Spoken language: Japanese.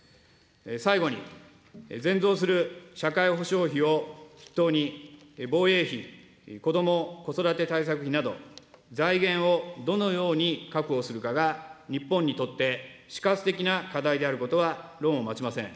最後に、漸増する社会保障費を筆頭に、防衛費、こども・子育て対策費など、財源をどのように確保するかが、日本にとって死活的な課題であることは論をまちません。